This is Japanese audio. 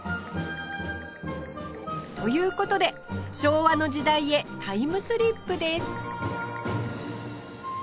という事で昭和の時代へタイムスリップです